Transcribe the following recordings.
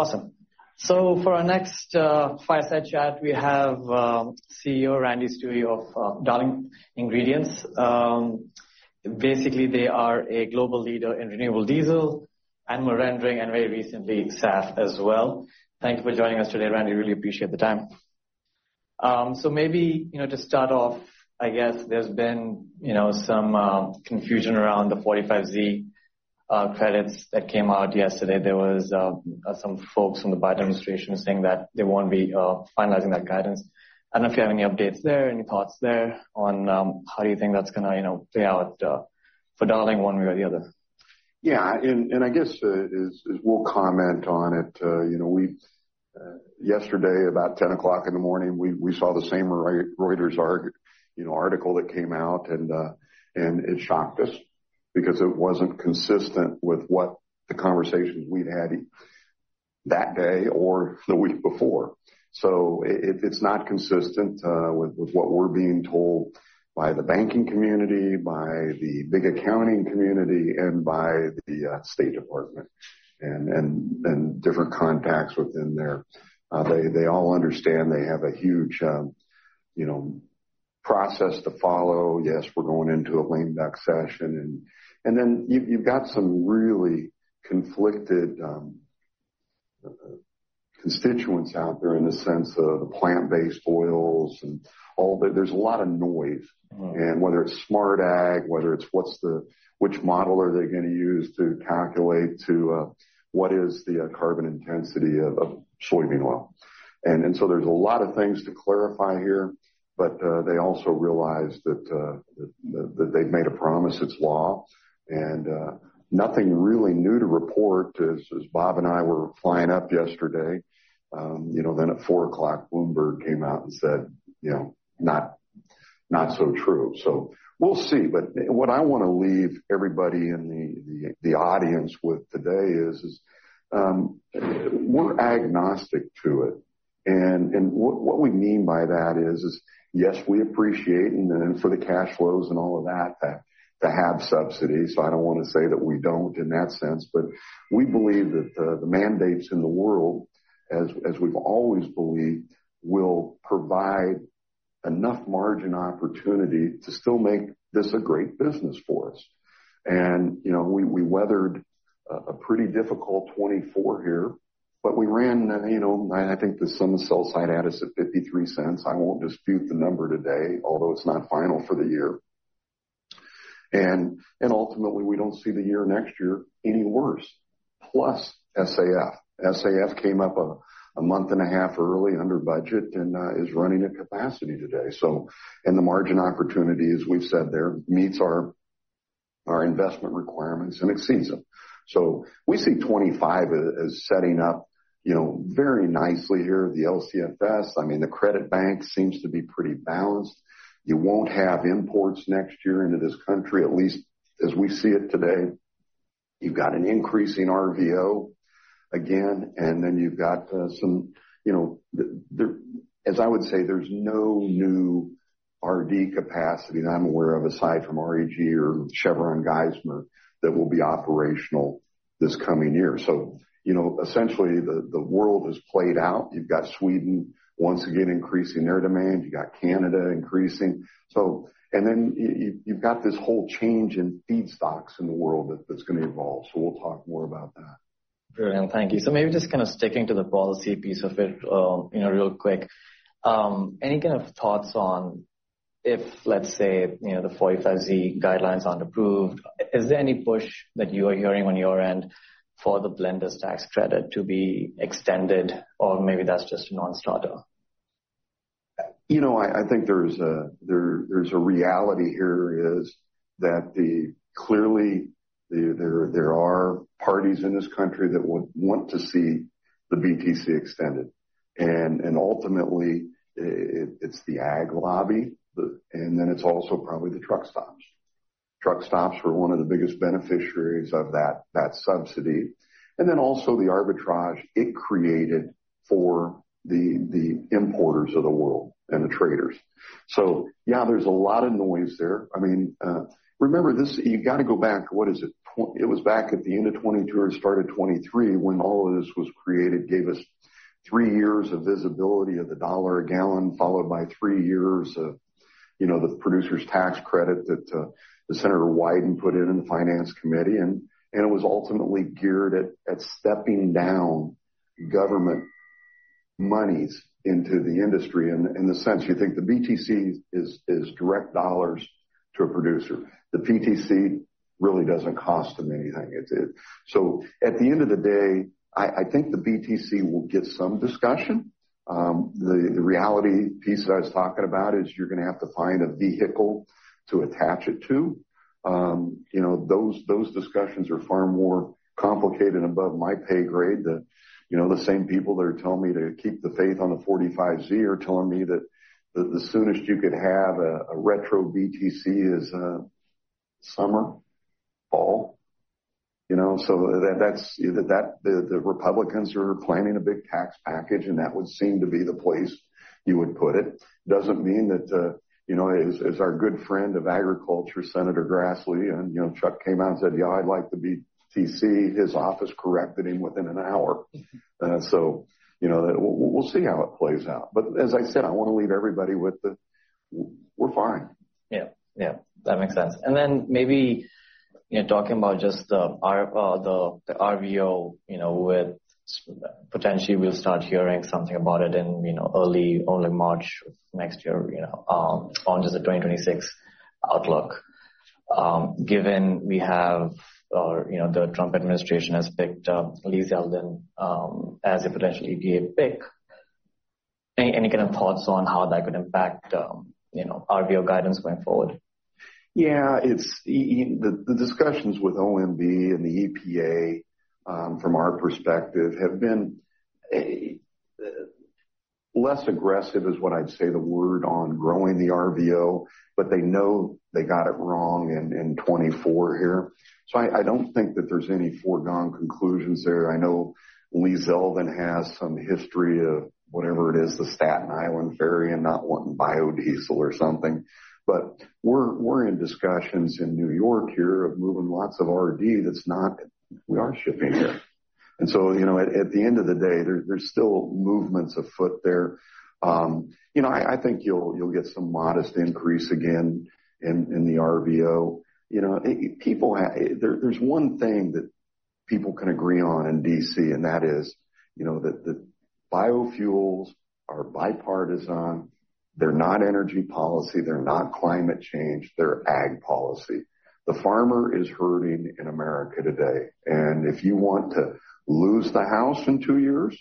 Awesome. So for our next fireside chat, we have CEO Randall Stuewe of Darling Ingredients. Basically, they are a global leader in renewable diesel, animal rendering, and very recently SAF as well. Thank you for joining us today, Randall. Really appreciate the time. So maybe to start off, I guess there's been some confusion around the 45Z credits that came out yesterday. There were some folks from the Biden administration saying that they won't be finalizing that guidance. I don't know if you have any updates there, any thoughts there on how do you think that's going to play out for Darling one way or the other? Yeah. And I guess we'll comment on it. Yesterday, about 10:00 A.M., we saw the same Reuters article that came out, and it shocked us because it wasn't consistent with what the conversations we'd had that day or the week before. So it's not consistent with what we're being told by the banking community, by the big accounting community, and by the State Department and different contacts within there. They all understand they have a huge process to follow. Yes, we're going into a lame duck session. And then you've got some really conflicted constituents out there in the sense of the plant-based oils and all. There's a lot of noise. And whether it's smart ag, whether it's which model are they going to use to calculate what is the carbon intensity of soybean oil. And so there's a lot of things to clarify here. But they also realize that they've made a promise. It's law. And nothing really new to report. As Bob and I were flying up yesterday, then at 4:00 P.M., Bloomberg came out and said, "Not so true." So we'll see. But what I want to leave everybody in the audience with today is we're agnostic to it. And what we mean by that is, yes, we appreciate for the cash flows and all of that to have subsidies. So I don't want to say that we don't in that sense. But we believe that the mandates in the world, as we've always believed, will provide enough margin opportunity to still make this a great business for us. And we weathered a pretty difficult 2024 here. But we ran, I think the sum of sell-side est is at $0.53. I won't dispute the number today, although it's not final for the year. And ultimately, we don't see the year next year any worse. Plus SAF. SAF came up a month and a half early under budget and is running at capacity today. And the margin opportunity, as we've said there, meets our investment requirements and exceeds them. So we see 2025 as setting up very nicely here. The LCFS, I mean, the credit bank seems to be pretty balanced. You won't have imports next year into this country, at least as we see it today. You've got an increasing RVO again. And then you've got some, as I would say, there's no new RD capacity that I'm aware of aside from REG or Chevron Geismar that will be operational this coming year. So essentially, the world has played out. You've got Sweden once again increasing their demand. You've got Canada increasing, and then you've got this whole change in feedstocks in the world that's going to evolve, so we'll talk more about that. Brilliant. Thank you. So maybe just kind of sticking to the policy piece of it real quick. Any kind of thoughts on if, let's say, the 45Z guidelines aren't approved? Is there any push that you are hearing on your end for the blender's tax credit to be extended? Or maybe that's just a non-starter? I think there's a reality here is that clearly there are parties in this country that would want to see the BTC extended. And ultimately, it's the ag lobby, and then it's also probably the truck stops. Truck stops were one of the biggest beneficiaries of that subsidy, and then also the arbitrage it created for the importers of the world and the traders. So yeah, there's a lot of noise there. I mean, remember, you've got to go back, what is it? It was back at the end of 2022 or started 2023 when all of this was created, gave us three years of visibility of $1 a gallon, followed by three years of the producer's tax credit that Senator Wyden put in the finance committee. And it was ultimately geared at stepping down government monies into the industry. And in the sense, you think the BTC is direct dollars to a producer. The PTC really doesn't cost them anything. So at the end of the day, I think the BTC will get some discussion. The reality piece that I was talking about is you're going to have to find a vehicle to attach it to. Those discussions are far more complicated and above my pay grade. The same people that are telling me to keep the faith on the 45Z are telling me that the soonest you could have a retro BTC is summer, fall. So the Republicans are planning a big tax package, and that would seem to be the place you would put it. Doesn't mean that, as our good friend of agriculture, Senator Grassley—and Chuck—came out and said, "Yeah, I'd like the BTC." His office corrected him within an hour. So we'll see how it plays out. But as I said, I want to leave everybody with the, "We're fine. Yeah. Yeah. That makes sense. And then maybe talking about just the RVO, potentially we'll start hearing something about it in early, early March next year, on just the 2026 outlook. Given we have the Trump administration has picked Lee Zeldin as a potential EPA pick, any kind of thoughts on how that could impact RVO guidance going forward? Yeah. The discussions with OMB and the EPA, from our perspective, have been less aggressive, is what I'd say the word, on growing the RVO. But they know they got it wrong in 2024 here. So I don't think that there's any foregone conclusions there. I know Lee Zeldin has some history of whatever it is, the Staten Island ferry and not wanting biodiesel or something. But we're in discussions in New York here of moving lots of R&D that's not. We are shipping here. And so at the end of the day, there's still movements afoot there. I think you'll get some modest increase again in the RVO. There's one thing that people can agree on in DC, and that is that biofuels are bipartisan. They're not energy policy. They're not climate change. They're ag policy. The farmer is hurting in America today. If you want to lose the house in two years,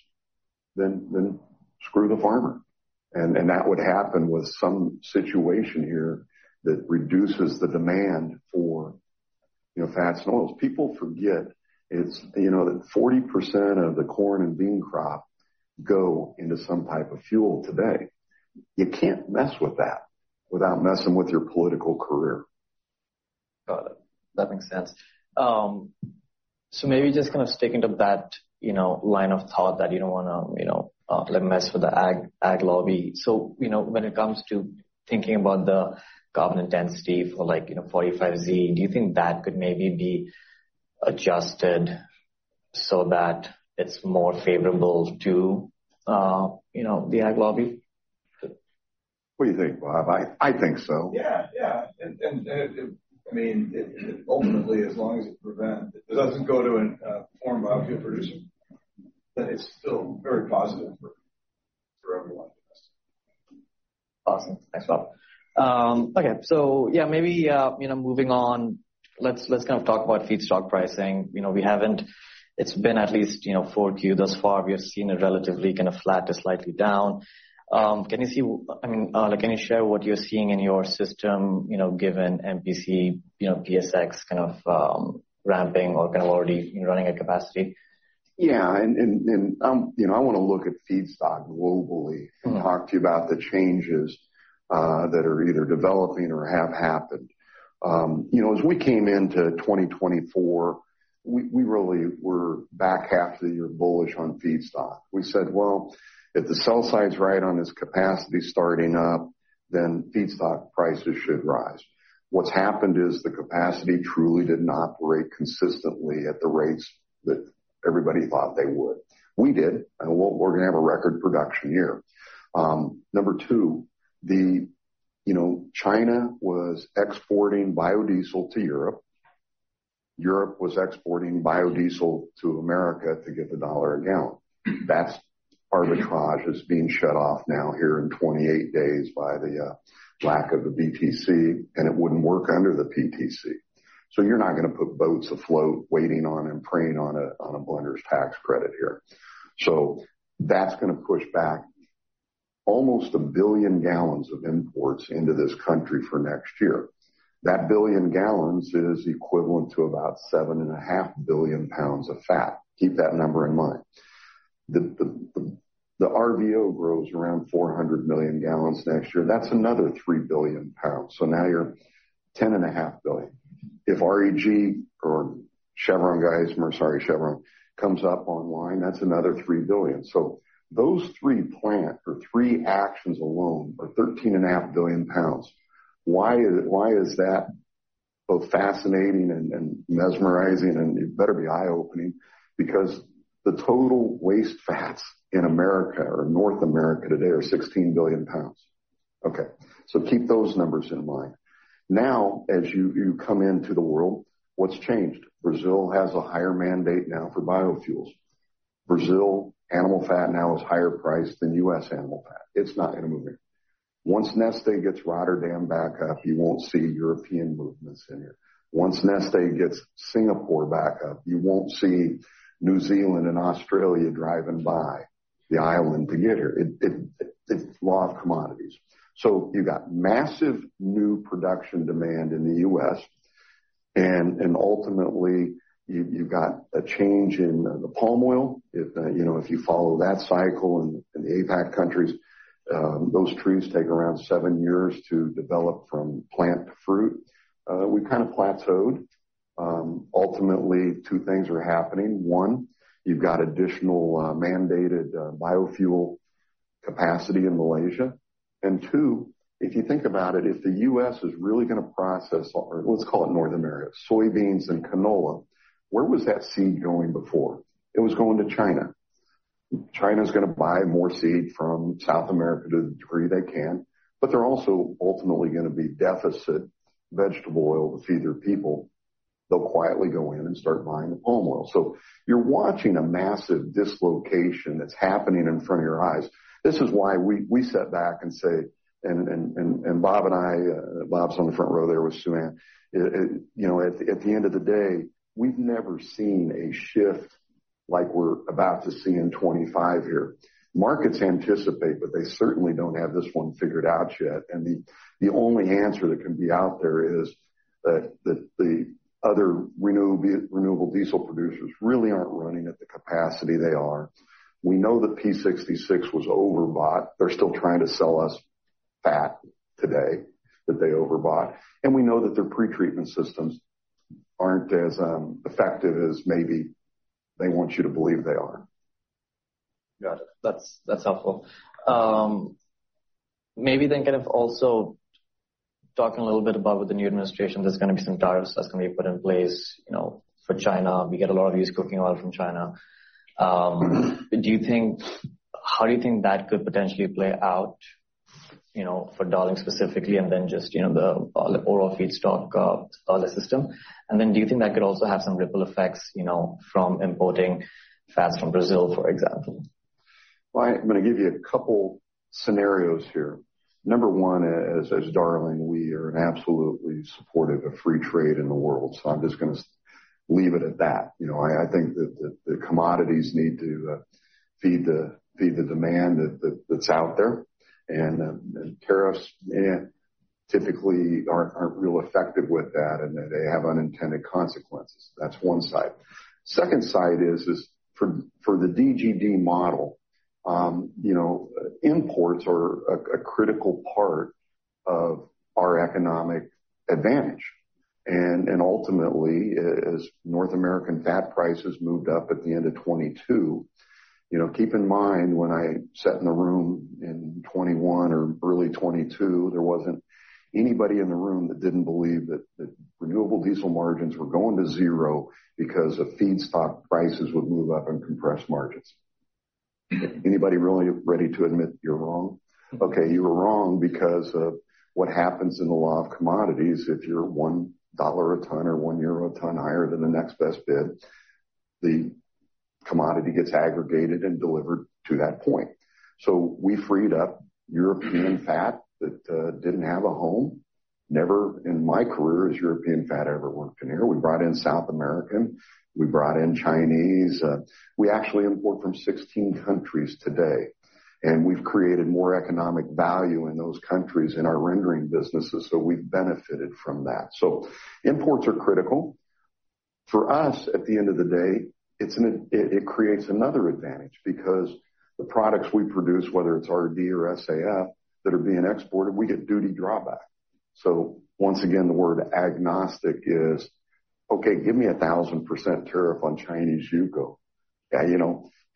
then screw the farmer. That would happen with some situation here that reduces the demand for fats and oils. People forget that 40% of the corn and bean crop go into some type of fuel today. You can't mess with that without messing with your political career. Got it. That makes sense. So maybe just kind of sticking to that line of thought that you don't want to mess with the ag lobby. So when it comes to thinking about the carbon intensity for 45Z, do you think that could maybe be adjusted so that it's more favorable to the ag lobby? What do you think, Bob? I think so. Yeah. Yeah. And I mean, ultimately, as long as it doesn't go to a foreign biofuel producer, then it's still very positive for everyone. Awesome. Thanks, Bob. Okay. So yeah, maybe moving on, let's kind of talk about feedstock pricing. It's been at least four Q thus far. We have seen a relatively kind of flat to slightly down. Can you see? I mean, can you share what you're seeing in your system given MPC, PSX kind of ramping or kind of already running at capacity? Yeah, and I want to look at feedstock globally and talk to you about the changes that are either developing or have happened. As we came into 2024, we really were back half the year bullish on feedstock. We said, "Well, if the sell-side's right on this capacity starting up, then feedstock prices should rise." What's happened is the capacity truly didn't operate consistently at the rates that everybody thought they would. We did, and we're going to have a record production year. Number two, China was exporting biodiesel to Europe. Europe was exporting biodiesel to America to get the $1 a gallon. That arbitrage is being shut off now here in 28 days by the lack of the BTC. And it wouldn't work under the PTC. So you're not going to put boats afloat waiting on and praying on a blender's tax credit here. So that's going to push back almost a billion gallons of imports into this country for next year. That billion gallons is equivalent to about 7.5 billion pounds of fat. Keep that number in mind. The RVO grows around 400 million gallons next year. That's another 3 billion pounds. So now you're 10.5 billion. If REG or Chevron Geismar, sorry, Chevron, comes up online, that's another 3 billion. So those three plants or three actions alone are 13.5 billion pounds. Why is that both fascinating and mesmerizing? And it better be eye-opening because the total waste fats in America or North America today are 16 billion pounds. Okay. So keep those numbers in mind. Now, as you come into the world, what's changed? Brazil has a higher mandate now for biofuels. Brazil animal fat now is higher priced than U.S. animal fat. It's not going to move here. Once Neste gets Rotterdam back up, you won't see European movements in here. Once Neste gets Singapore back up, you won't see New Zealand and Australia driving by the island to get here. It's law of commodities. So you've got massive new production demand in the U.S. And ultimately, you've got a change in the palm oil. If you follow that cycle in the APAC countries, those trees take around seven years to develop from plant to fruit. We kind of plateaued. Ultimately, two things are happening. One, you've got additional mandated biofuel capacity in Malaysia. And two, if you think about it, if the U.S. is really going to process, let's call it North America, soybeans and canola, where was that seed going before? It was going to China. China's going to buy more seed from South America to the degree they can. But they're also ultimately going to be deficit vegetable oil with either people. They'll quietly go in and start buying the palm oil. So you're watching a massive dislocation that's happening in front of your eyes. This is why we sat back and said, and Bob and I, Bob's on the front row there with Suann, at the end of the day, we've never seen a shift like we're about to see in 2025 here. Markets anticipate, but they certainly don't have this one figured out yet. And the only answer that can be out there is that the other renewable diesel producers really aren't running at the capacity they are. We know that P66 was overbought. They're still trying to sell us fat today that they overbought. And we know that their pretreatment systems aren't as effective as maybe they want you to believe they are. Got it. That's helpful. Maybe then kind of also talking a little bit about with the new administration, there's going to be some tariffs that's going to be put in place for China. We get a lot of used cooking oil from China. How do you think that could potentially play out for Darling specifically and then just the overall feedstock oil system? And then do you think that could also have some ripple effects from importing fats from Brazil, for example? I'm going to give you a couple of scenarios here. Number one, as Darling, we are absolutely supportive of free trade in the world. So I'm just going to leave it at that. I think that the commodities need to feed the demand that's out there. And tariffs typically aren't real effective with that, and they have unintended consequences. That's one side. Second side is for the DGD model, imports are a critical part of our economic advantage. And ultimately, as North American fat prices moved up at the end of 2022, keep in mind when I sat in the room in 2021 or early 2022, there wasn't anybody in the room that didn't believe that renewable diesel margins were going to zero because of feedstock prices would move up and compress margins. Anybody really ready to admit you're wrong? Okay. You were wrong because of what happens in the law of commodities. If you're $1 a ton or 1 euro a ton higher than the next best bid, the commodity gets aggregated and delivered to that point. So we freed up European fat that didn't have a home. Never in my career has European fat ever worked in here. We brought in South American. We brought in Chinese. We actually import from 16 countries today. And we've created more economic value in those countries in our rendering businesses. So we've benefited from that. So imports are critical. For us, at the end of the day, it creates another advantage because the products we produce, whether it's R&D or SAF that are being exported, we get duty drawback. So once again, the word agnostic is, "Okay, give me a 1,000% tariff on Chinese UCO."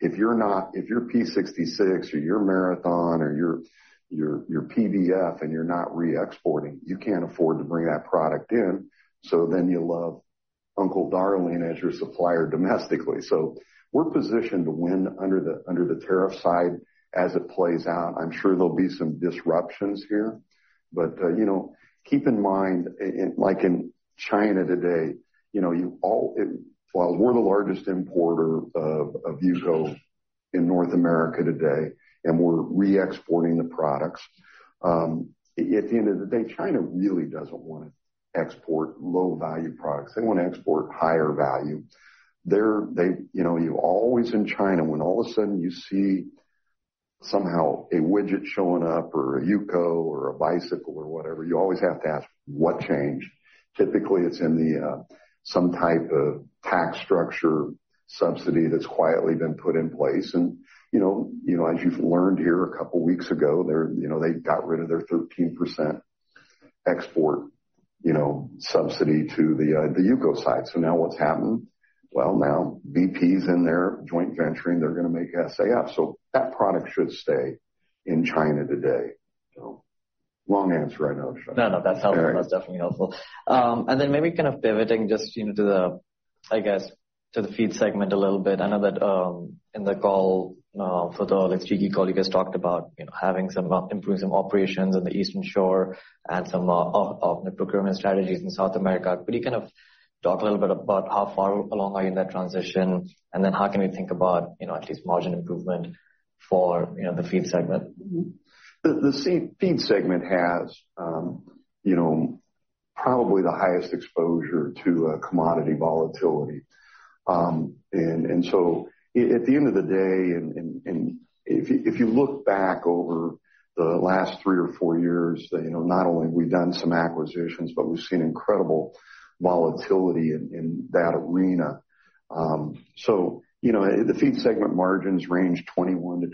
If you're P66 or you're Marathon or you're PBF and you're not re-exporting, you can't afford to bring that product in. So then you love Uncle Darling as your supplier domestically. So we're positioned to win under the tariff side as it plays out. I'm sure there'll be some disruptions here. But keep in mind, like in China today, while we're the largest importer of UCO in North America today, and we're re-exporting the products, at the end of the day, China really doesn't want to export low-value products. They want to export higher value. You always in China, when all of a sudden you see somehow a widget showing up or a UCO or a bicycle or whatever, you always have to ask, "What changed?" Typically, it's in some type of tax structure subsidy that's quietly been put in place, and as you've learned here a couple of weeks ago, they got rid of their 13% export subsidy to the UCO side, so now what's happened? Well, now BP's in there, joint venturing. They're going to make SAF. So that product should stay in China today. Long answer, I know. No, no. That's helpful. That's definitely helpful. And then maybe kind of pivoting just to the, I guess, to the feed segment a little bit. I know that in the call, the CEO colleagues talked about having some improvements in operations in the Eastern Shore and some of the procurement strategies in South America. Could you kind of talk a little bit about how far along are you in that transition? And then how can we think about at least margin improvement for the feed segment? The feed segment has probably the highest exposure to commodity volatility, and so at the end of the day, and if you look back over the last three or four years, not only have we done some acquisitions, but we've seen incredible volatility in that arena. So the feed segment margins range 21-26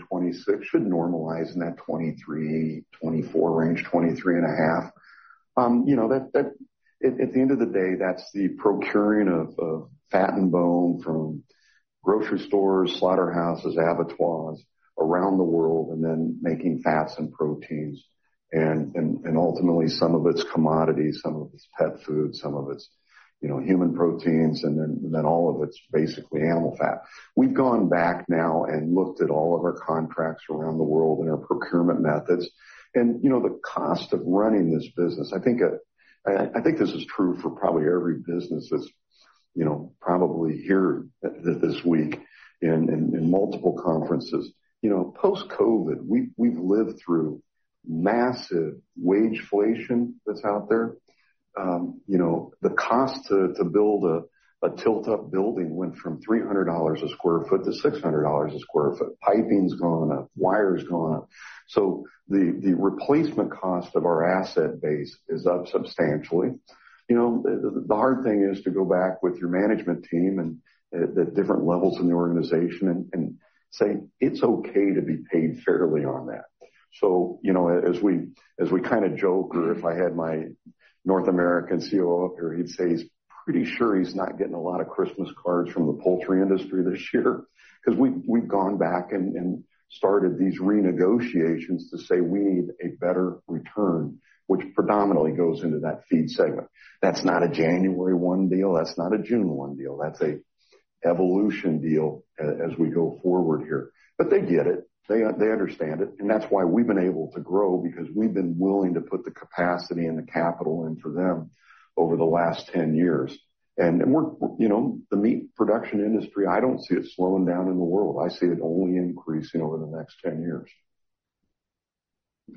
should normalize in that 23-24 range, 23.5. At the end of the day, that's the procuring of fat and bone from grocery stores, slaughterhouses, abattoirs around the world, and then making fats and proteins, and ultimately, some of it's commodities, some of it's pet food, some of it's human proteins, and then all of it's basically animal fat. We've gone back now and looked at all of our contracts around the world and our procurement methods. The cost of running this business, I think this is true for probably every business that's probably here this week in multiple conferences. Post-COVID, we've lived through massive wage inflation that's out there. The cost to build a tilt-up building went from $300 a sq ft to $600 a sq ft. Piping's gone up. Wire's gone up. The replacement cost of our asset base is up substantially. The hard thing is to go back with your management team at different levels in the organization and say, "It's okay to be paid fairly on that." So as we kind of joke, or if I had my North American COO up here, he'd say, "He's pretty sure he's not getting a lot of Christmas cards from the poultry industry this year." Because we've gone back and started these renegotiations to say, "We need a better return," which predominantly goes into that feed segment. That's not a January one deal. That's not a June one deal. That's an evolution deal as we go forward here. But they get it. They understand it. And that's why we've been able to grow because we've been willing to put the capacity and the capital in for them over the last 10 years. The meat production industry, I don't see it slowing down in the world. I see it only increasing over the next 10 years.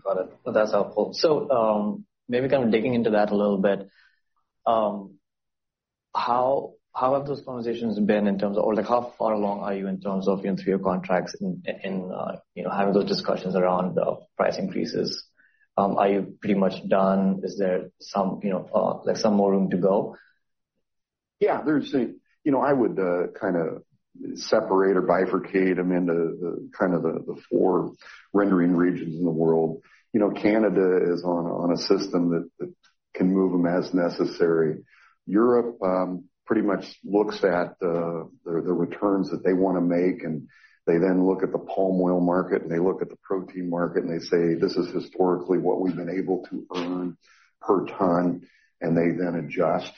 Got it. That's helpful. So maybe kind of digging into that a little bit, how have those conversations been in terms of, or how far along are you in terms of your three-year contracts and having those discussions around price increases? Are you pretty much done? Is there some more room to go? Yeah. I would kind of separate or bifurcate them into kind of the four rendering regions in the world. Canada is on a system that can move them as necessary. Europe pretty much looks at the returns that they want to make, and they then look at the palm oil market, and they look at the protein market, and they say, "This is historically what we've been able to earn per ton," and they then adjust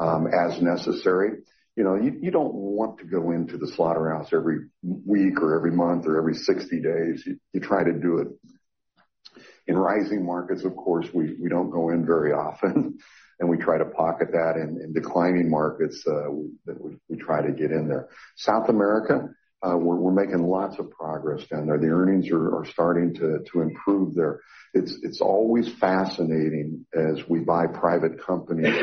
as necessary. You don't want to go into the slaughterhouse every week or every month or every 60 days. You try to do it. In rising markets, of course, we don't go in very often, and we try to pocket that. In declining markets, we try to get in there. South America, we're making lots of progress down there. The earnings are starting to improve there. It's always fascinating, as we buy private companies,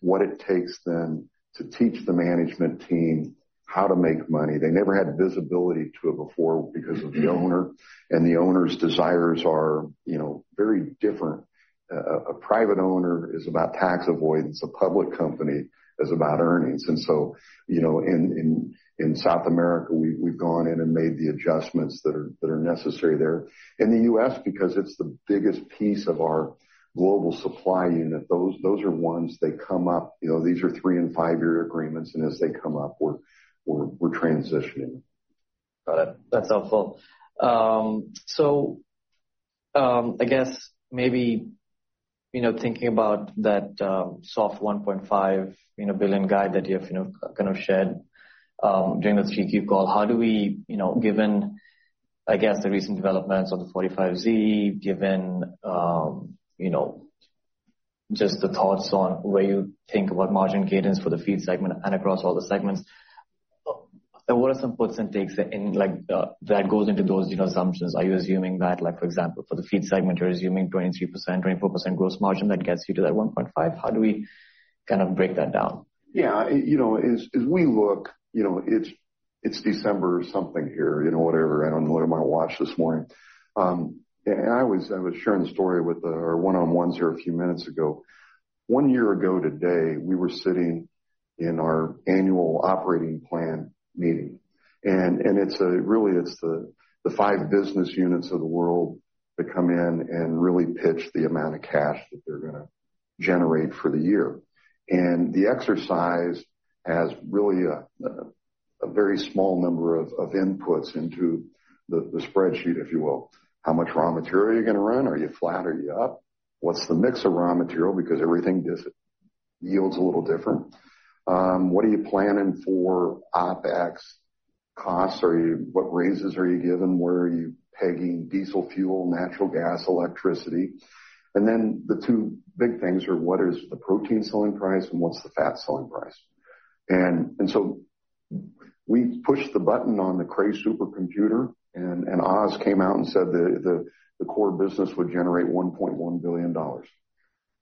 what it takes them to teach the management team how to make money. They never had visibility to it before because of the owner. The owner's desires are very different. A private owner is about tax avoidance. A public company is about earnings. So in South America, we've gone in and made the adjustments that are necessary there. In the U.S., because it's the biggest piece of our global supply unit, those are ones they come up. These are three- and five-year agreements. As they come up, we're transitioning. Got it. That's helpful. So I guess maybe thinking about that soft 1.5 billion guide that you have kind of shared during the GS call, how do we, given, I guess, the recent developments of the 45Z, given just the thoughts on where you think about margin cadence for the feed segment and across all the segments, what are some puts and takes that goes into those assumptions? Are you assuming that, for example, for the feed segment, you're assuming 23%, 24% gross margin that gets you to that 1.5? How do we kind of break that down? Yeah. As we look, it's December or something here, whatever. I don't know where my watch is this morning. And I was sharing the story with our one-on-ones here a few minutes ago. One year ago today, we were sitting in our annual operating plan meeting. And really, it's the five business units of the world that come in and really pitch the amount of cash that they're going to generate for the year. And the exercise has really a very small number of inputs into the spreadsheet, if you will. How much raw material are you going to run? Are you flat? Are you up? What's the mix of raw material? Because everything yields a little different. What are you planning for OPEX costs? What raises are you given? Where are you pegging diesel fuel, natural gas, electricity? Then the two big things are what is the protein selling price and what's the fat selling price? And so we pushed the button on the Cray supercomputer, and Oz came out and said the core business would generate $1.1 billion.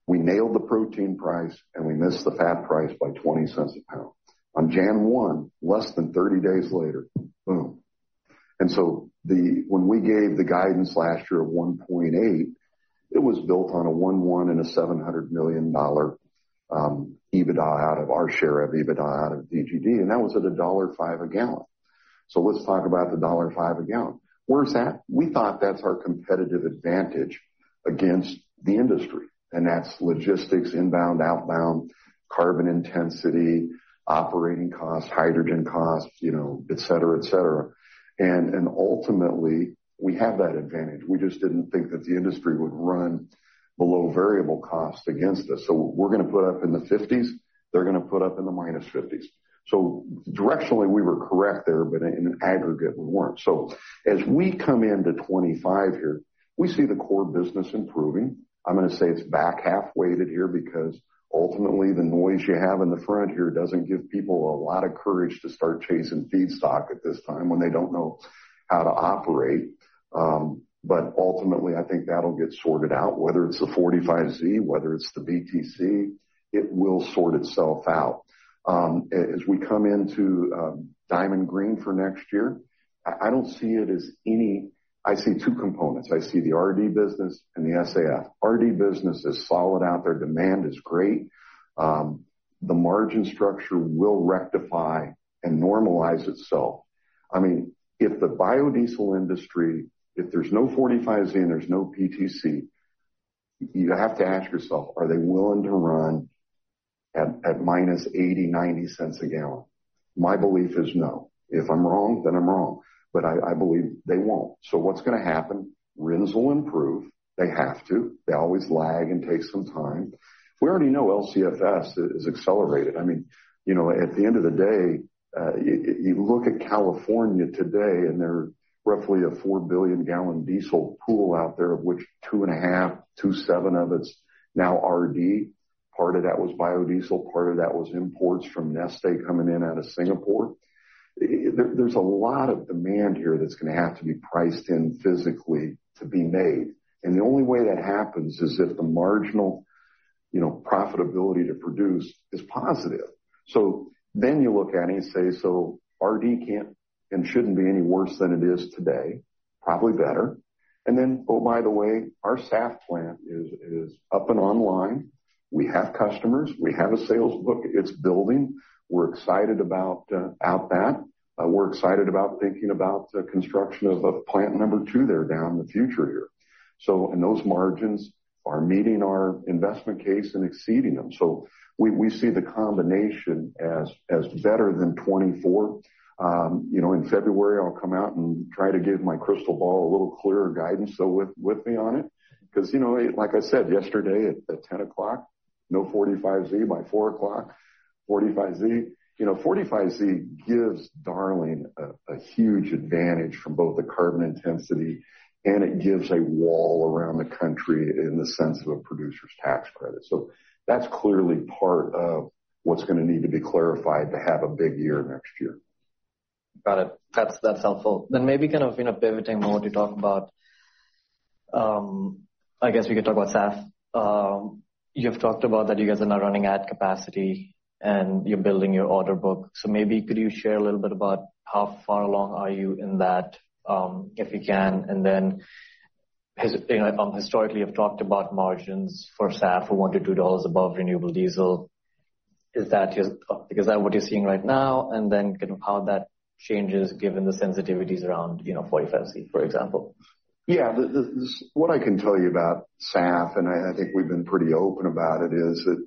We nailed the protein price, and we missed the fat price by $0.20 a pound. On January 1, less than 30 days later, boom. And so when we gave the guidance last year of $1.8 billion, it was built on a $1.1 billion and a $700 million EBITDA out of our share of EBITDA out of DGD. And that was at a $1.05 a gallon. So let's talk about the $1.05 a gallon. Where's that? We thought that's our competitive advantage against the industry. And that's logistics, inbound, outbound, carbon intensity, operating costs, hydrogen costs, etc., etc. And ultimately, we have that advantage. We just didn't think that the industry would run below variable costs against us, so we're going to put up in the 50s. They're going to put up in the minus 50s. So directionally, we were correct there, but in aggregate, we weren't, so as we come into 2025 here, we see the core business improving. I'm going to say it's back halfway to here because ultimately, the noise you have in the front here doesn't give people a lot of courage to start chasing feedstock at this time when they don't know how to operate. But ultimately, I think that'll get sorted out. Whether it's the 45Z, whether it's the BTC, it will sort itself out. As we come into Diamond Green for next year, I don't see it as any; I see two components. I see the R&D business and the SAF. R&D business is solid out there. Demand is great. The margin structure will rectify and normalize itself. I mean, if the biodiesel industry, if there's no 45Z and there's no PTC, you have to ask yourself, are they willing to run at minus $0.80-$0.90 a gallon? My belief is no. If I'm wrong, then I'm wrong. But I believe they won't. So what's going to happen? RINs'll improve. They have to. They always lag and take some time. We already know LCFS is accelerated. I mean, at the end of the day, you look at California today, and there's roughly a 4 billion-gallon diesel pool out there, of which 2.5-2.7 billion gallons of it's now RD. Part of that was biodiesel. Part of that was imports from Neste coming in out of Singapore. There's a lot of demand here that's going to have to be priced in physically to be made. And the only way that happens is if the marginal profitability to produce is positive. So then you look at it and you say, "So R&D can't and shouldn't be any worse than it is today. Probably better." And then, oh, by the way, our SAF plant is up and online. We have customers. We have a sales book. It's building. We're excited about that. We're excited about thinking about the construction of a plant number two there down in the future here. And those margins are meeting our investment case and exceeding them. So we see the combination as better than 2024. In February, I'll come out and try to give my crystal ball a little clearer guidance with more on it. Because, like I said yesterday at 10:00 A.M., no 45Z by 4:00 P.M., 45Z. 45Z gives, Darling, a huge advantage from both the carbon intensity, and it gives a wall around the country in the sense of a producer's tax credit. So that's clearly part of what's going to need to be clarified to have a big year next year. Got it. That's helpful. Then maybe kind of pivoting more to talk about, I guess we could talk about SAF. You have talked about that you guys are now running at capacity, and you're building your order book. So maybe could you share a little bit about how far along are you in that, if you can? And then historically, you've talked about margins for SAF for $1-$2 above renewable diesel. Is that what you're seeing right now? And then kind of how that changes given the sensitivities around 45Z, for example? Yeah. What I can tell you about SAF, and I think we've been pretty open about it, is that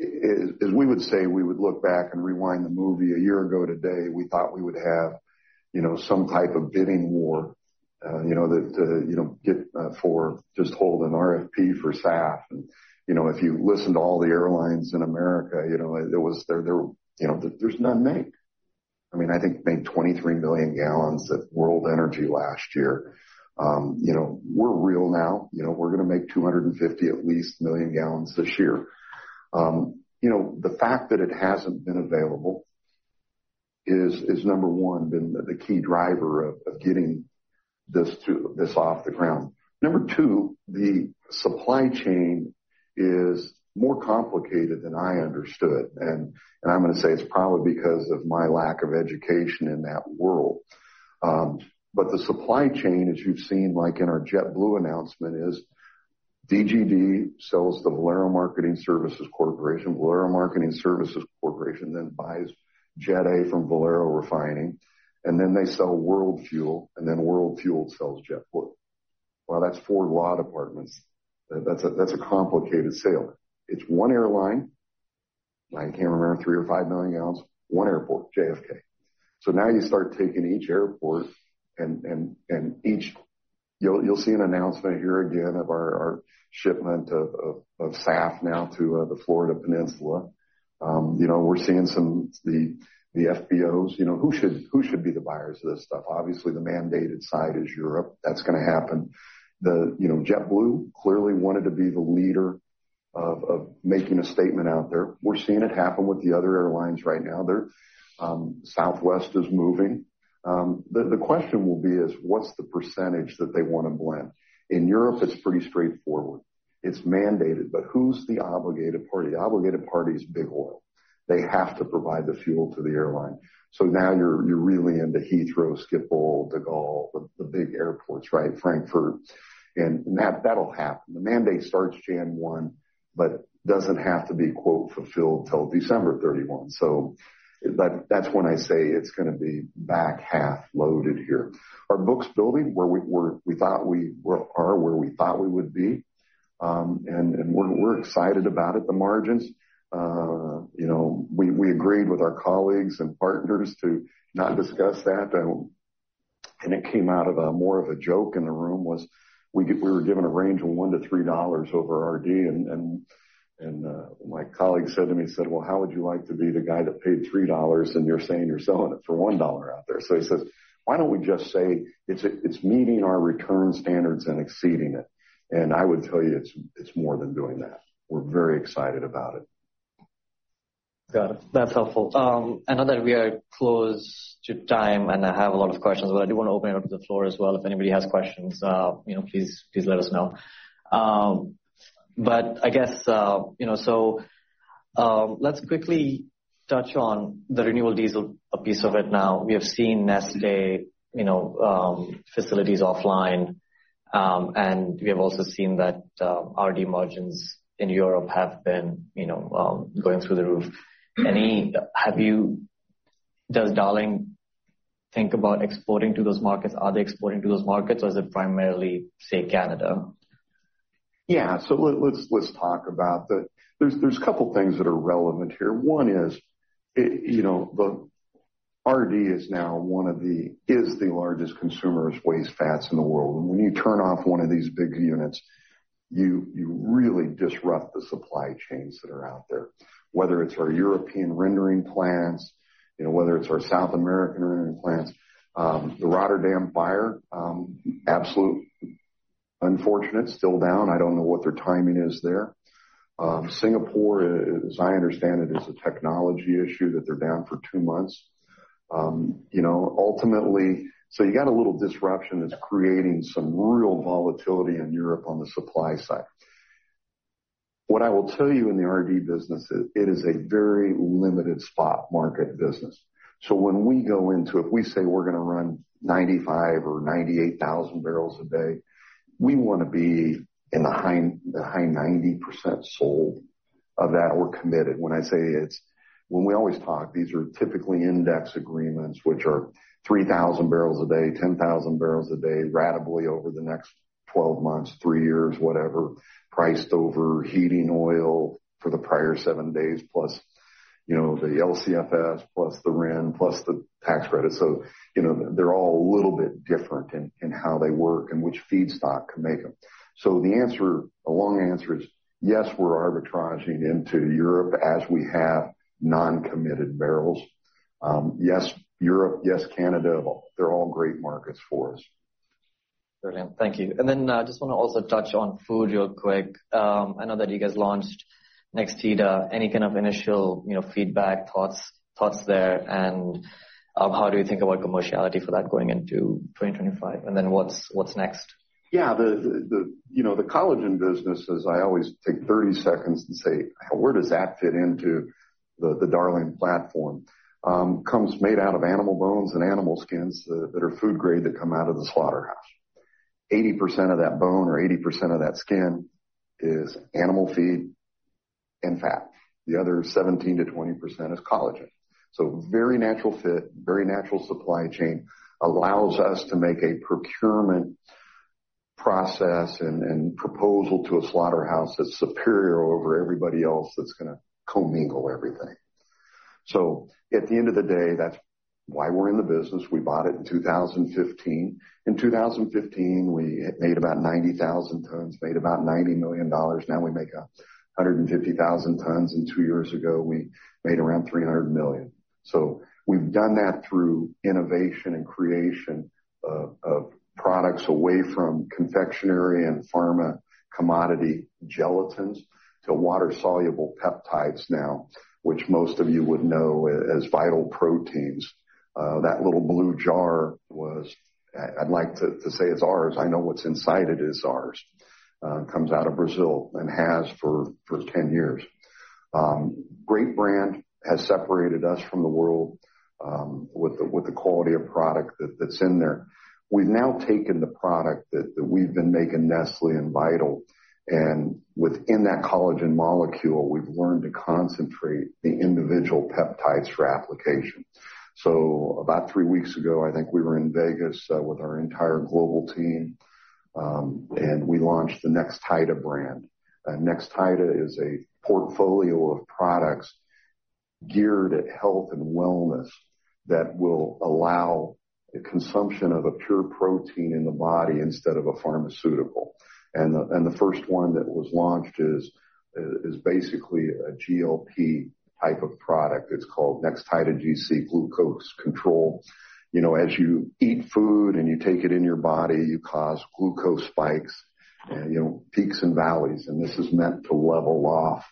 as we would say, we would look back and rewind the movie a year ago today, we thought we would have some type of bidding war to get for just hold an RFP for SAF. And if you listen to all the airlines in America, there was none made. I mean, I think made 23 million gallons at World Energy last year. We're real now. We're going to make 250 at least million gallons this year. The fact that it hasn't been available is, number one, been the key driver of getting this off the ground. Number two, the supply chain is more complicated than I understood. And I'm going to say it's probably because of my lack of education in that world. But the supply chain, as you've seen in our JetBlue announcement, is DGD sells to Valero Marketing Services Corporation. Valero Marketing Services Corporation then buys Jet A from Valero Refining. And then they sell World Fuel Services, and then World Fuel Services sells JetBlue. Well, that's four law departments. That's a complicated sale. It's one airline, I can't remember, three or five million gallons, one airport, JFK. So now you start taking each airport and each you'll see an announcement here again of our shipment of SAF now to the Florida Peninsula. We're seeing some of the FBOs. Who should be the buyers of this stuff? Obviously, the mandated side is Europe. That's going to happen. JetBlue clearly wanted to be the leader of making a statement out there. We're seeing it happen with the other airlines right now. Southwest is moving. The question will be what's the percentage that they want to blend? In Europe, it's pretty straightforward. It's mandated. But who's the obligated party? The obligated party is big oil. They have to provide the fuel to the airline. So now you're really into Heathrow, Schiphol, de Gaulle, the big airports, right? Frankfurt. And that'll happen. The mandate starts January 1, but doesn't have to be "fulfilled" till December 31. So that's when I say it's going to be back half loaded here. Our book's building where we thought we would be. And we're excited about it, the margins. We agreed with our colleagues and partners to not discuss that. And it came out of more of a joke in the room was we were given a range of $1-$3 over R&D. And my colleague said to me, said, "Well, how would you like to be the guy that paid $3 and you're saying you're selling it for $1 out there?" So he says, "Why don't we just say it's meeting our return standards and exceeding it?" And I would tell you it's more than doing that. We're very excited about it. Got it. That's helpful. I know that we are close to time, and I have a lot of questions, but I do want to open it up to the floor as well. If anybody has questions, please let us know. But I guess so let's quickly touch on the renewable diesel piece of it now. We have seen Neste facilities offline. And we have also seen that R&D margins in Europe have been going through the roof. How does Darling think about exporting to those markets? Are they exporting to those markets, or is it primarily, say, Canada? Yeah, so let's talk about that. There's a couple of things that are relevant here. One is the renewable diesel is now one of the largest consumers of waste fats in the world. And when you turn off one of these big units, you really disrupt the supply chains that are out there. Whether it's our European rendering plants, whether it's our South American rendering plants. The Rotterdam fire, absolutely unfortunate, still down. I don't know what their timing is there. Singapore, as I understand it, is a technology issue that they're down for two months. Ultimately, so you got a little disruption that's creating some real volatility in Europe on the supply side. What I will tell you in the renewable diesel business, it is a very limited spot market business. So when we go into, if we say we're going to run 95 or 98,000 barrels a day, we want to be in the high 90% sold of that or committed. When I say it's, when we always talk, these are typically index agreements, which are 3,000 barrels a day, 10,000 barrels a day, ratably over the next 12 months, three years, whatever, priced over heating oil for the prior seven days, plus the LCFS, plus the RIN, plus the tax credit. So they're all a little bit different in how they work and which feedstock can make them. So the answer, a long answer is yes, we're arbitraging into Europe as we have non-committed barrels. Yes, Europe, yes, Canada, they're all great markets for us. Brilliant. Thank you. And then I just want to also touch on food real quick. I know that you guys launched Nextida. Any kind of initial feedback, thoughts there? And how do you think about commerciality for that going into 2025? And then what's next? Yeah. The collagen businesses, I always take 30 seconds and say, "Where does that fit into the Darling platform?" It's made out of animal bones and animal skins that are food-grade that come out of the slaughterhouse. 80% of that bone or 80% of that skin is animal feed and fat. The other 17%-20% is collagen. So very natural fit, very natural supply chain allows us to make a procurement process and proposal to a slaughterhouse that's superior over everybody else that's going to commingle everything. So at the end of the day, that's why we're in the business. We bought it in 2015. In 2015, we made about 90,000 tons, made about $90 million. Now we make 150,000 tons. And two years ago, we made around $300 million. So we've done that through innovation and creation of products away from confectionery and pharma commodity gelatins to water-soluble peptides now, which most of you would know as Vital Proteins. That little blue jar was, I'd like to say it's ours. I know what's inside it is ours. Comes out of Brazil and has for 10 years. Great brand has separated us from the world with the quality of product that's in there. We've now taken the product that we've been making Nestlé and Vital. And within that collagen molecule, we've learned to concentrate the individual peptides for application. So about three weeks ago, I think we were in Vegas with our entire global team, and we launched the Nextida brand. Nextida is a portfolio of products geared at health and wellness that will allow consumption of a pure protein in the body instead of a pharmaceutical. The first one that was launched is basically a GLP type of product. It's called Nextida GC Glucose Control. As you eat food and you take it in your body, you cause glucose spikes, peaks, and valleys. This is meant to level off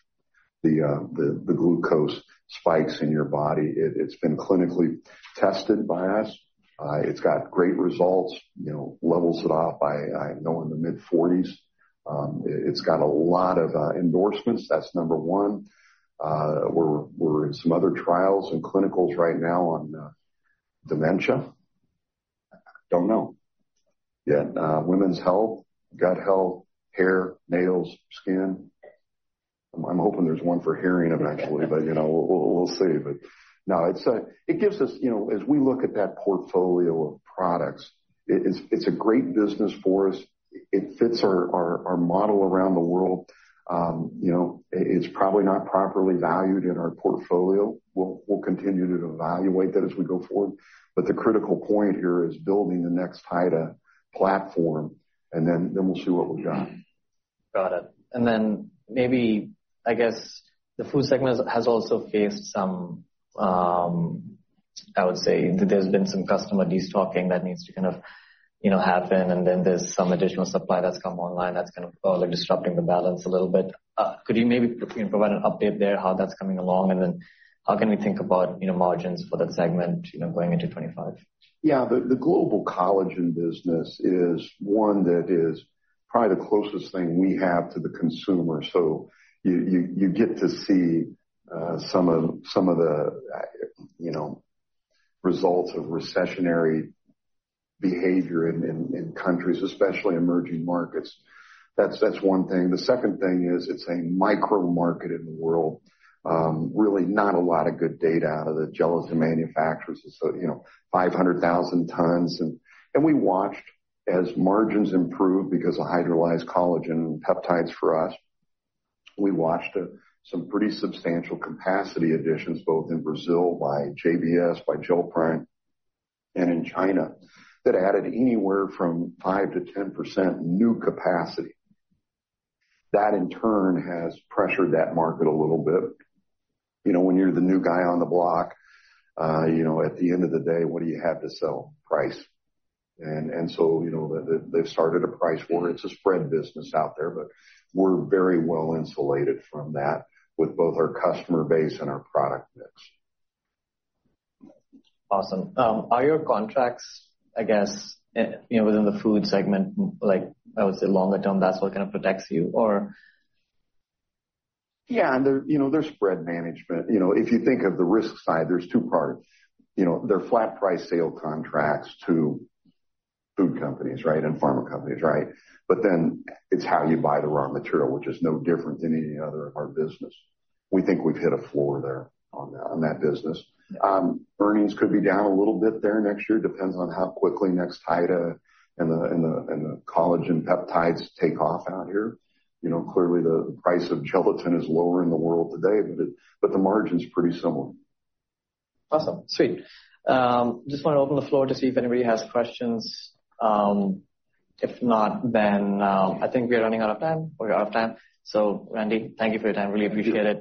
the glucose spikes in your body. It's been clinically tested by us. It's got great results. Levels it off by, I know, in the mid-40s. It's got a lot of endorsements. That's number one. We're in some other trials and clinicals right now on dementia. I don't know. Yeah. Women's health, gut health, hair, nails, skin. I'm hoping there's one for hearing eventually, but we'll see. But no, it gives us, as we look at that portfolio of products, it's a great business for us. It fits our model around the world. It's probably not properly valued in our portfolio. We'll continue to evaluate that as we go forward. But the critical point here is building the Nextida platform, and then we'll see what we've got. Got it. And then maybe, I guess, the food segment has also faced some, I would say, there's been some customer destocking that needs to kind of happen. And then there's some additional supply that's come online that's kind of probably disrupting the balance a little bit. Could you maybe provide an update there how that's coming along? And then how can we think about margins for that segment going into 2025? Yeah. The global collagen business is one that is probably the closest thing we have to the consumer. So you get to see some of the results of recessionary behavior in countries, especially emerging markets. That's one thing. The second thing is it's a micro market in the world. Really not a lot of good data out of the gelatin manufacturers. It's 500,000 tons. And we watched as margins improved because of hydrolyzed collagen peptides for us. We watched some pretty substantial capacity additions, both in Brazil by JBS, by Gelita, and in China, that added anywhere from 5%-10% new capacity. That, in turn, has pressured that market a little bit. When you're the new guy on the block, at the end of the day, what do you have to sell? Price. And so they've started a price war. It's a spread business out there, but we're very well insulated from that with both our customer base and our product mix. Awesome. Are your contracts, I guess, within the food segment, I would say longer term, that's what kind of protects you, or? Yeah. And there's spread management. If you think of the risk side, there's two parts. They're flat price sale contracts to food companies, right, and pharma companies, right? But then it's how you buy the raw material, which is no different than any other of our business. We think we've hit a floor there on that business. Earnings could be down a little bit there next year. Depends on how quickly Nextida and the collagen peptides take off out here. Clearly, the price of gelatin is lower in the world today, but the margin's pretty similar. Awesome. Sweet. Just want to open the floor to see if anybody has questions. If not, then I think we are running out of time. So Randy, thank you for your time. Really appreciate it.